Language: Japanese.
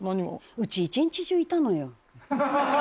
うち一日中いたのよ。